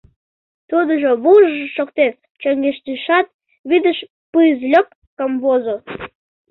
Тудыжо вуж-ж шоктен чоҥештышат, вӱдыш пызльоп камвозо.